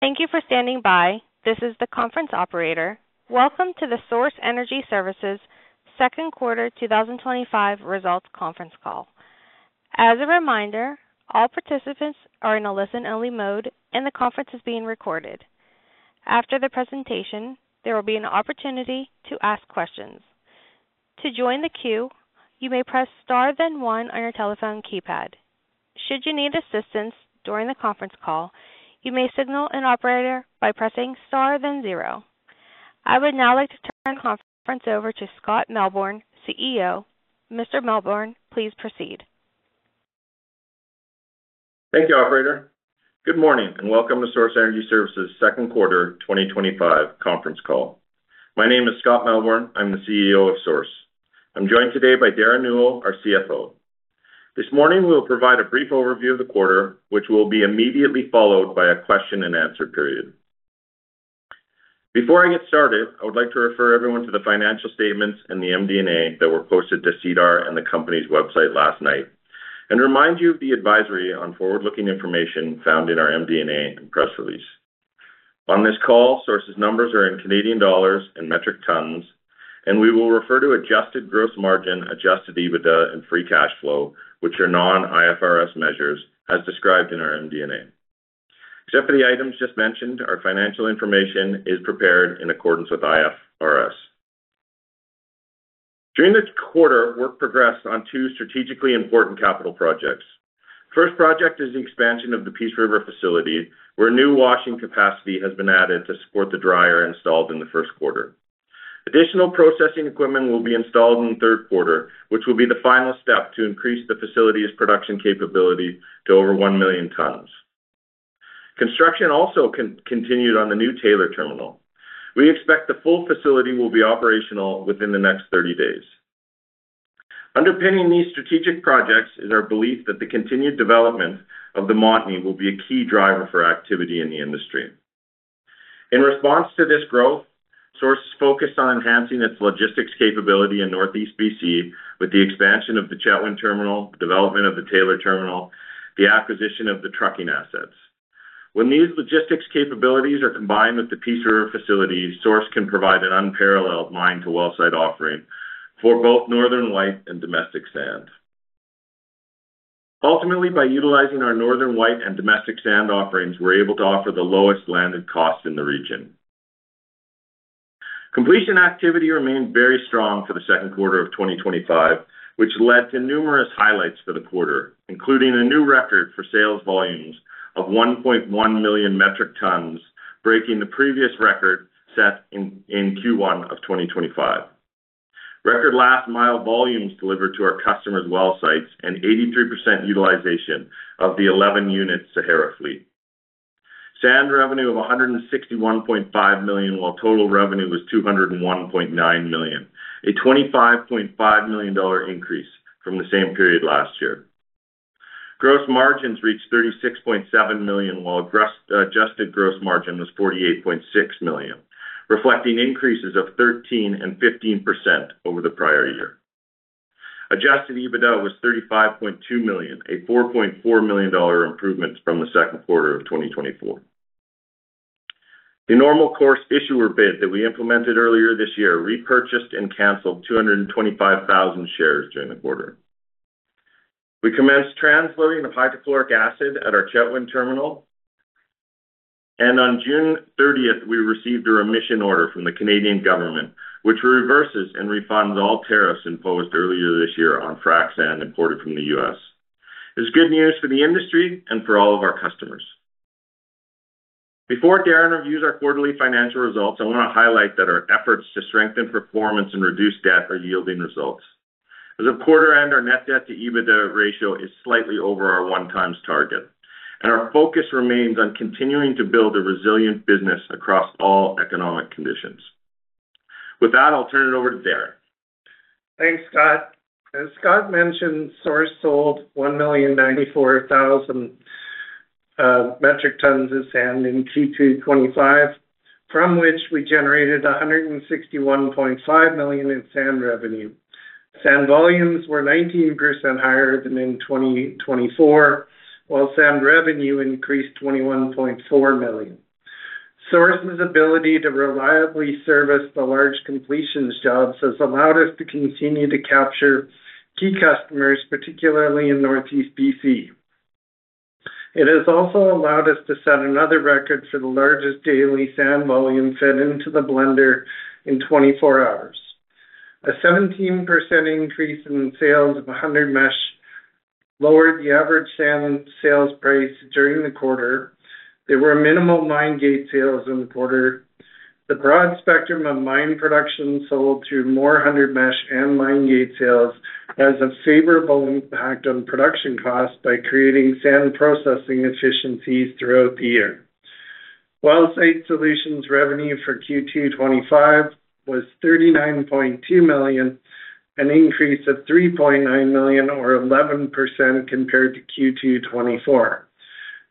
Thank you for standing by. This is the conference operator. Welcome to the Source Energy Services second quarter 2025 results conference call. As a reminder, all participants are in a listen-only mode, and the conference is being recorded. After the presentation, there will be an opportunity to ask questions. To join the queue, you may press star then one on your telephone keypad. Should you need assistance during the conference call, you may signal an operator by pressing star then zero. I would now like to turn the conference over to Scott Melbourn, CEO. Mr. Melbourn, please proceed. Thank you, operator. Good morning and welcome to Source Energy Services second quarter 2025 conference call. My name is Scott Melbourn. I'm the CEO of Source. I'm joined today by Darren J. Newell, our CFO. This morning, we will provide a brief overview of the quarter, which will be immediately followed by a question and answer period. Before I get started, I would like to refer everyone to the financial statements and the MD&A that were posted to SEDAR and the company's website last night, and remind you of the advisory on forward-looking information found in our MD&A and press release. On this call, Source's numbers are in Canadian dollars and metric tons, and we will refer to adjusted gross margin, Adjusted EBITDA, and free cash flow, which are non-IFRS measures as described in our MD&A. Except for the items just mentioned, our financial information is prepared in accordance with IFRS. During this quarter, work progressed on two strategically important capital projects. The first project is the expansion of the Peace River facility, where new washing capacity has been added to support the dryer installed in the first quarter. Additional processing equipment will be installed in the third quarter, which will be the final step to increase the facility's production capability to over 1 million tons. Construction also continued on the new Taylor Terminal. We expect the full facility will be operational within the next 30 days. Underpinning these strategic projects is our belief that the continued development of the Montney will be a key driver for activity in the industry. In response to this growth, Source focused on enhancing its logistics capability in Northeast British Columbia with the expansion of the Chetwynd Terminal, development of the Taylor Terminal, and the acquisition of the trucking assets. When these logistics capabilities are combined with the Peace River facility, Source can provide an unparalleled mine-to-well-site offering for both Northern White and domestic sand. Ultimately, by utilizing our Northern White and domestic sand offerings, we're able to offer the lowest landed cost in the region. Completion activity remained very strong for the second quarter of 2025, which led to numerous highlights for the quarter, including a new record for sales volumes of 1.1 million metric tons, breaking the previous record set in Q1 of 2025. Record last mile volumes delivered to our customers' well sites and 83% utilization of the 11-unit Sahara fleet. Sand revenue of $161.5 million, while total revenue was $201.9 million, a $25.5 million increase from the same period last year. Gross margins reached $36.7 million, while adjusted gross margin was $48.6 million, reflecting increases of 13% and 15% over the prior year. Adjusted EBITDA was $35.2 million, a $4.4 million improvement from the second quarter of 2024. The normal course issuer bid that we implemented earlier this year repurchased and canceled 225,000 shares during the quarter. We commenced transloading of hydrofluoric acid at our Chetwynd Terminal, and on June 30, we received a remission order from the Canadian government, which reverses and refunds all tariffs imposed earlier this year on frac sand imported from the U.S. This is good news for the industry and for all of our customers. Before Darren reviews our quarterly financial results, I want to highlight that our efforts to strengthen performance and reduce debt are yielding results. As of quarter-end, our net debt to EBITDA ratio is slightly over our one-time target, and our focus remains on continuing to build a resilient business across all economic conditions. With that, I'll turn it over to Darren. Thanks, Scott. As Scott mentioned, Source sold 1,094,000 metric tons of sand in Q2 2025, from which we generated $161.5 million in sand revenue. Sand volumes were 19% higher than in 2024, while sand revenue increased $21.4 million. Source's ability to reliably service the large completions jobs has allowed us to continue to capture key customers, particularly in Northeast British Columbia. It has also allowed us to set another record for the largest daily sand volume fed into the blender in 24 hours. A 17% increase in sales of 100 mesh lowered the average sand sales price during the quarter. There were minimal mine gate sales in the quarter. The broad spectrum of mine production sold through more 100 mesh and mine gate sales has a favorable impact on production costs by creating sand processing efficiencies throughout the year. Well Site Solutions' revenue for Q2 2025 was $39.2 million, an increase of $3.9 million or 11% compared to Q2 2024.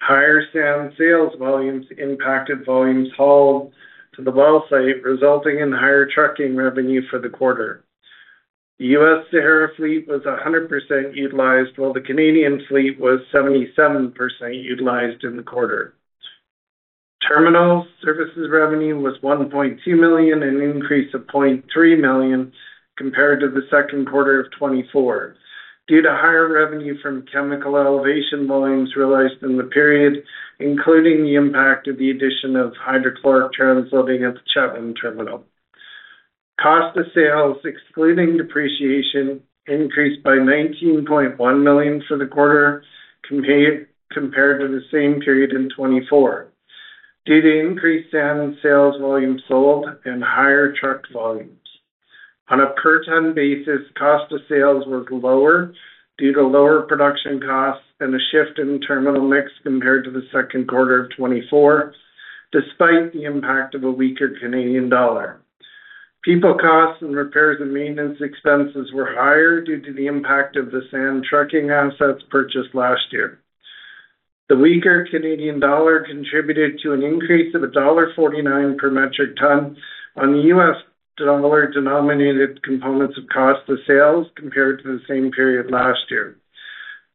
Higher sand sales volumes impacted volumes hauled to the well site, resulting in higher trucking revenue for the quarter. The U.S. Sahara fleet was 100% utilized, while the Canadian fleet was 77% utilized in the quarter. Terminal services revenue was $1.2 million, an increase of $0.3 million compared to the second quarter of 2024. Due to higher revenue from chemical elevation volumes realized in the period, including the impact of the addition of hydrofluoric acid transloading at the Chetwynd Terminal, cost of sales, excluding depreciation, increased by $19.1 million for the quarter compared to the same period in 2024. Due to increased sand sales volumes sold and higher truck volumes, on a per-ton basis, cost of sales was lower due to lower production costs and a shift in terminal mix compared to the second quarter of 2024, despite the impact of a weaker Canadian dollar. People costs and repairs and maintenance expenses were higher due to the impact of the sand trucking assets purchased last year. The weaker Canadian dollar contributed to an increase of $1.49 per metric ton on the U.S. dollar denominated components of cost of sales compared to the same period last year.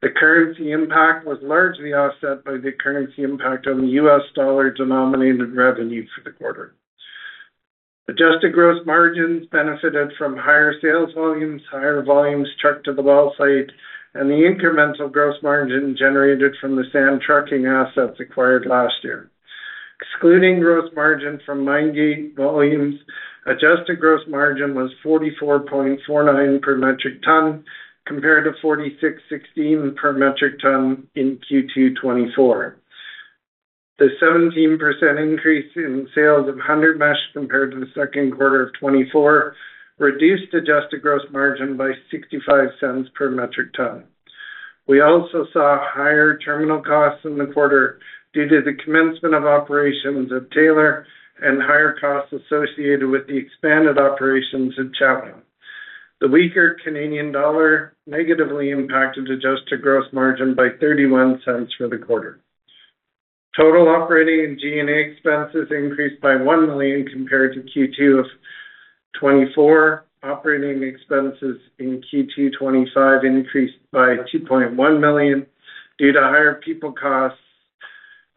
The currency impact was largely offset by the currency impact on the U.S. dollar denominated revenue for the quarter. Adjusted gross margins benefited from higher sales volumes, higher volumes trucked to the well site, and the incremental gross margin generated from the sand trucking assets acquired last year. Excluding gross margin from mine gate volumes, adjusted gross margin was $44.49 per metric ton compared to $46.16 per metric ton in Q2 2024. The 17% increase in sales of 100 mesh compared to the second quarter of 2024 reduced adjusted gross margin by $0.65 per metric ton. We also saw higher terminal costs in the quarter due to the commencement of operations at Taylor and higher costs associated with the expanded operations at Chetwynd Terminal. The weaker Canadian dollar negatively impacted adjusted gross margin by $0.31 for the quarter. Total operating and G&A expenses increased by $1 million compared to Q2 2024. Operating expenses in Q2 2025 increased by $2.1 million due to higher people costs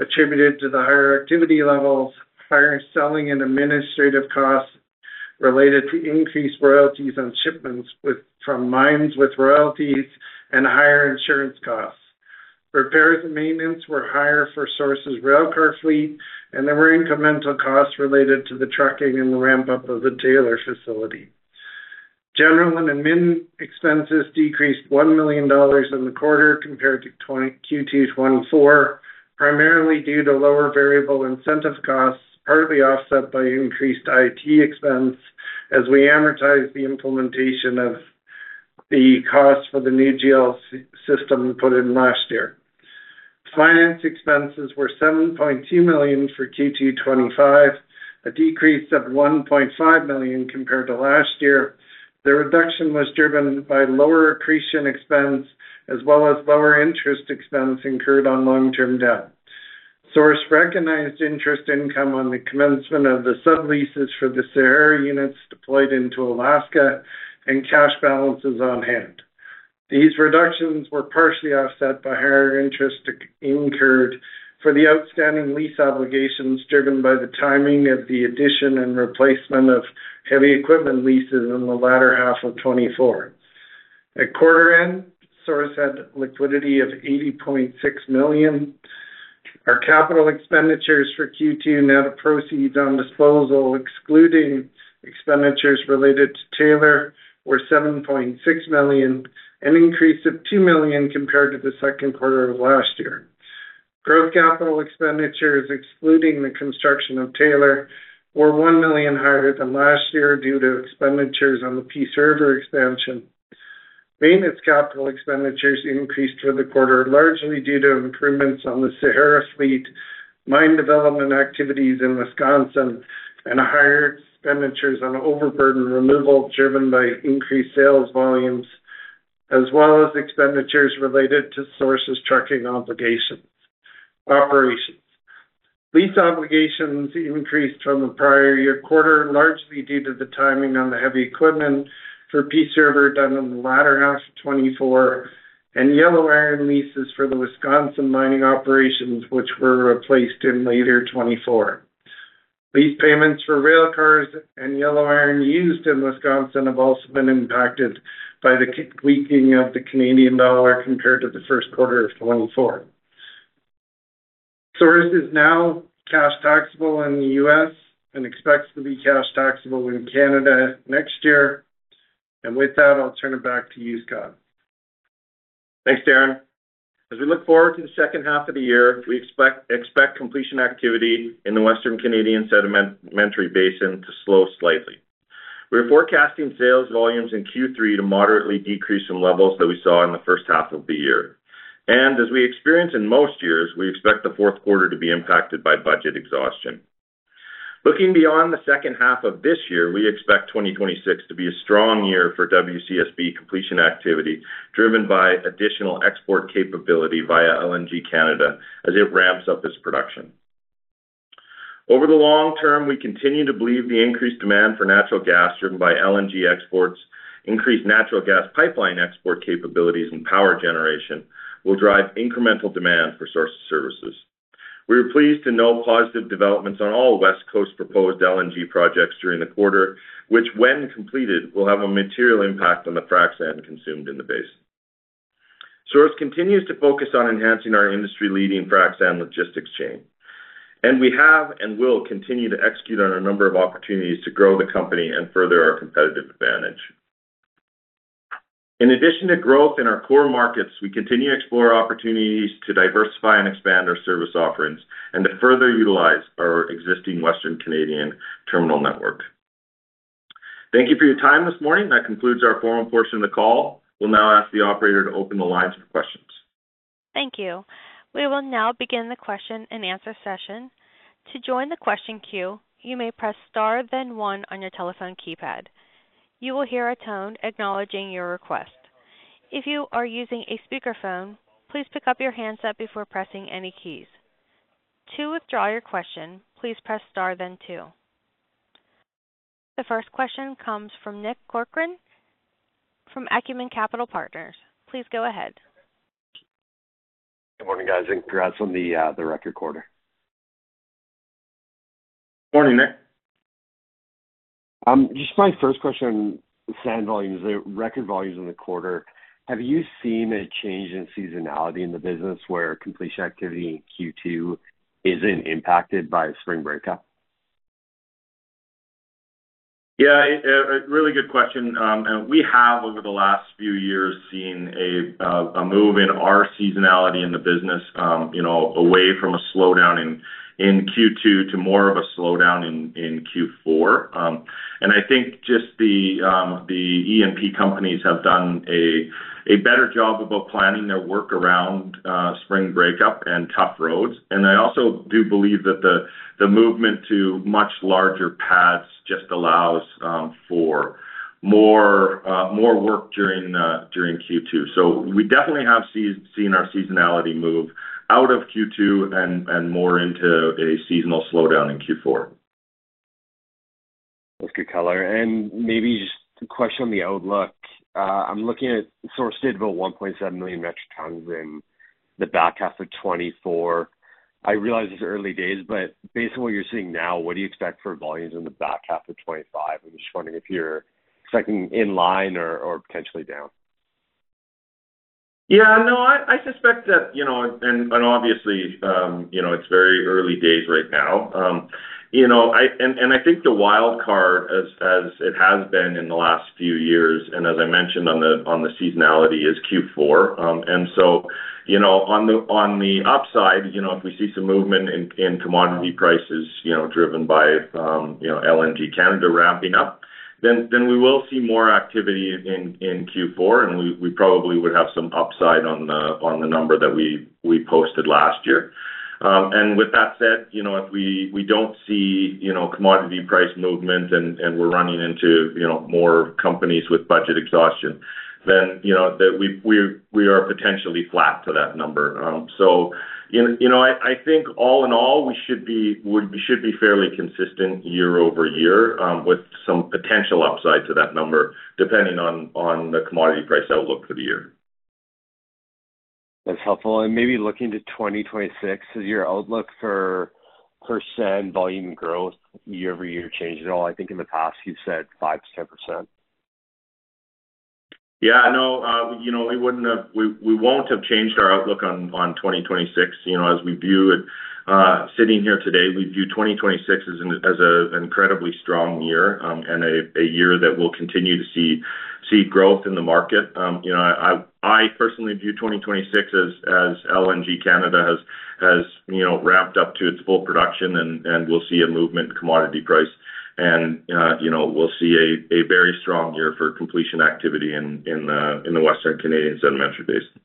attributed to the higher activity levels, higher selling and administrative costs related to increased royalties on shipments from mines with royalties, and higher insurance costs. Repairs and maintenance were higher for Source's railcar fleet, and there were incremental costs related to the trucking and the ramp-up of the Taylor Terminal facility. General and administrative expenses decreased $1 million in the quarter compared to Q2 2024, primarily due to lower variable incentive costs, partly offset by increased IT expense as we amortized the implementation of the costs for the new GL system put in last year. Finance expenses were $7.2 million for Q2 2025, a decrease of $1.5 million compared to last year. The reduction was driven by lower accretion expense as well as lower interest expense incurred on long-term debt. Source Energy Services recognized interest income on the commencement of the subleases for the Sahara well site mobile sand storage and handling system units deployed into Alaska and cash balances on hand. These reductions were partially offset by higher interest incurred for the outstanding lease obligations driven by the timing of the addition and replacement of heavy equipment leases in the latter half of 2024. At quarter end, Source Energy Services had liquidity of $80.6 million. Our capital expenditures for Q2 net of proceeds on disposal, excluding expenditures related to Taylor Terminal, were $7.6 million, an increase of $2 million compared to the second quarter of last year. Growth capital expenditures, excluding the construction of Taylor Terminal, were $1 million higher than last year due to expenditures on the Peace River expansion. Maintenance capital expenditures increased for the quarter, largely due to improvements on the Sahara fleet, mine development activities in Wisconsin, and higher expenditures on overburden removal driven by increased sales volumes, as well as expenditures related to Source's trucking operations. Lease obligations increased from the prior year quarter, largely due to the timing on the heavy equipment for Peace River done in the latter half of 2024, and yellow iron leases for the Wisconsin mining operations, which were replaced in later 2024. Lease payments for railcars and yellow iron used in Wisconsin have also been impacted by the weakening of the Canadian dollar compared to the first quarter of 2024. Source is now cash taxable in the U.S. and expects to be cash taxable in Canada next year. I'll turn it back to you, Scott. Thanks, Darren. As we look forward to the second half of the year, we expect completion activity in the Western Canadian Sedimentary Basin to slow slightly. We're forecasting sales volumes in Q3 to moderately decrease from levels that we saw in the first half of the year. As we experience in most years, we expect the fourth quarter to be impacted by budget exhaustion. Looking beyond the second half of this year, we expect 2026 to be a strong year for WCSB completion activity, driven by additional export capability via LNG Canada as it ramps up its production. Over the long term, we continue to believe the increased demand for natural gas driven by LNG exports, increased natural gas pipeline export capabilities, and power generation will drive incremental demand for Source's services. We are pleased to note positive developments on all West Coast proposed LNG projects during the quarter, which, when completed, will have a material impact on the frac sand consumed in the basin. Source continues to focus on enhancing our industry-leading frac sand logistics chain. We have and will continue to execute on a number of opportunities to grow the company and further our competitive advantage. In addition to growth in our core markets, we continue to explore opportunities to diversify and expand our service offerings and to further utilize our existing Western Canadian terminal network. Thank you for your time this morning. That concludes our formal portion of the call. We'll now ask the operator to open the lines for questions. Thank you. We will now begin the question-and-answer session. To join the question queue, you may press star then one on your telephone keypad. You will hear a tone acknowledging your request. If you are using a speakerphone, please pick up your handset before pressing any keys. To withdraw your question, please press star then two. The first question comes from Nick Corcoran from Acumen Capital Partners. Please go ahead. Good morning, guys. Congrats on the record quarter. Morning, Nick. Just my first question on sand volumes, the record volumes in the quarter. Have you seen a change in seasonality in the business where completion activity in Q2 isn't impacted by a spring breakup? Yeah, really good question. We have, over the last few years, seen a move in our seasonality in the business away from a slowdown in Q2 to more of a slowdown in Q4. I think the E&P companies have done a better job about planning their work around spring breakup and tough roads. I also do believe that the movement to much larger pads just allows for more work during Q2. We definitely have seen our seasonality move out of Q2 and more into a seasonal slowdown in Q4. That's a good call out. Maybe just a question on the outlook. I'm looking at Source Energy Services did about 1.7 million metric tons in the back half of 2024. I realize it's early days, but based on what you're seeing now, what do you expect for volumes in the back half of 2025? I'm just wondering if you're expecting in line or potentially down. Yeah, no, I suspect that, you know, it's very early days right now. I think the wild card, as it has been in the last few years, and as I mentioned on the seasonality, is Q4. On the upside, if we see some movement in commodity prices, driven by LNG Canada ramping up, then we will see more activity in Q4, and we probably would have some upside on the number that we posted last year. With that said, if we don't see commodity price movement and we're running into more companies with budget exhaustion, then we are potentially flat to that number. I think all in all, we should be fairly consistent year over year with some potential upside to that number, depending on the commodity price outlook for the year. That's helpful. Maybe looking to 2026, is your outlook for percentage volume growth year over year changed at all? I think in the past, you've said 5%-10%. No, you know, we won't have changed our outlook on 2026. As we view it, sitting here today, we view 2026 as an incredibly strong year and a year that we'll continue to see growth in the market. I personally view 2026 as LNG Canada has ramped up to its full production and we'll see a movement in commodity price. We'll see a very strong year for completion activity in the Western Canadian Sedimentary Basin.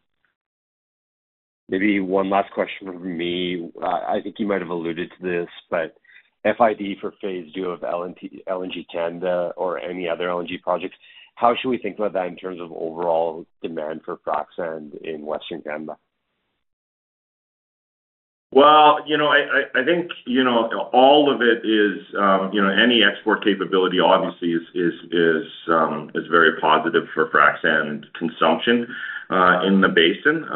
Maybe one last question from me. I think you might have alluded to this, but FID for Phase 2 of LNG Canada or any other LNG projects, how should we think about that in terms of overall demand for frac sand in Western Canada? I think any export capability obviously is very positive for frac sand consumption in the basin.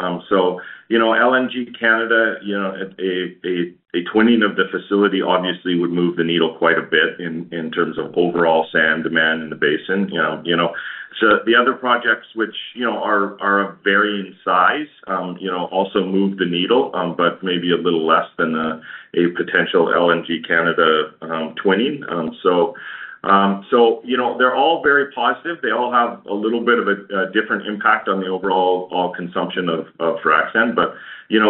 LNG Canada, a twinning of the facility obviously would move the needle quite a bit in terms of overall sand demand in the basin. The other projects, which are of varying size, also move the needle, but maybe a little less than a potential LNG Canada twinning. They're all very positive. They all have a little bit of a different impact on the overall consumption of frac sand.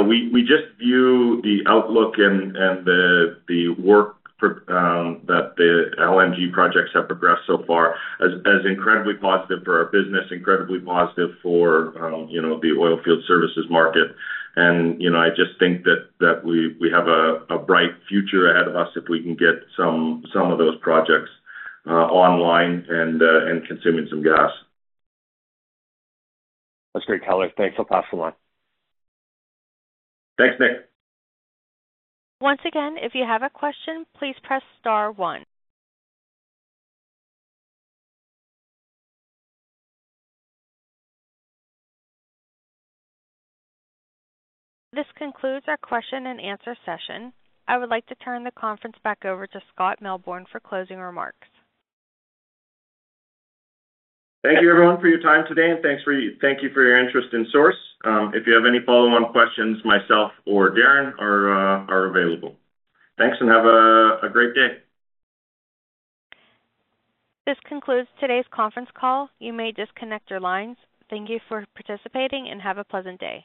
We just view the outlook and the work that the LNG projects have progressed so far as incredibly positive for our business, incredibly positive for the oilfield services market. I just think that we have a bright future ahead of us if we can get some of those projects online and consuming some gas. That's a great call out. Thanks. I'll pass the line. Thanks, Nick. Once again, if you have a question, please press star one. This concludes our question-and-answer session. I would like to turn the conference back over to Scott Melbourn for closing remarks. Thank you, everyone, for your time today, and thank you for your interest in Source. If you have any follow-on questions, myself or Darren are available. Thanks and have a great day. This concludes today's conference call. You may disconnect your lines. Thank you for participating and have a pleasant day.